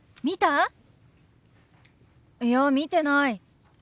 いや見てない。